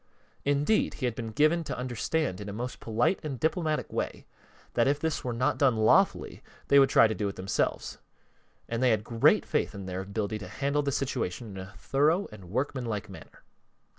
Indeed, he had been given to understand in a most polite and diplomatic way that if this were not done lawfully, they would try to do it themselves, and they had great faith in their ability to handle the situation in a thorough and workmanlike manner.